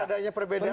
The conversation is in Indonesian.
tidak ada perbedaan